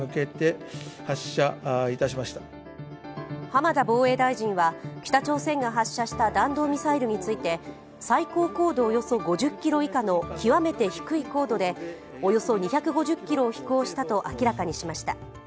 浜田防衛大臣は、北朝鮮が発射した弾道ミサイルについて最高高度およそ５０ｋｍ以下の極めて低い高度でおよそ２５０ｋｍを飛行したと明らかにしました。